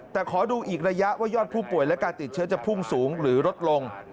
แต่ขอดูอีกระยะว่ายอดผู้ป่วยและการติดเชื้อจะพุ่งสูงหรือลดลง